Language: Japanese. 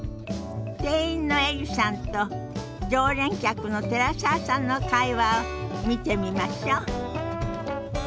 店員のエリさんと常連客の寺澤さんの会話を見てみましょ。